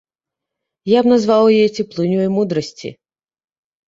Я б назваў яе цеплынёй мудрасці.